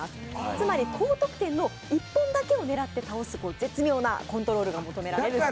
つまり、高得点の１本だけを狙って倒す、絶妙なコントロールが求められるんです。